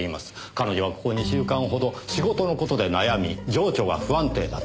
彼女はここ２週間ほど仕事の事で悩み情緒が不安定だったと。